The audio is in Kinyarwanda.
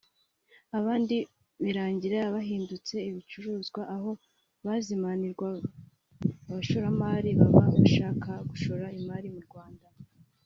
abandi birangira bahindutse ibicuruzwa aho bazimanirwa abashoramari baba bashaka gushora imari mu Rwanda